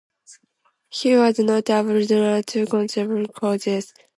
He was a notable donor to conservative causes.